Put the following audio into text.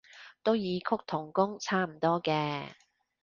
都異曲同工差唔多嘅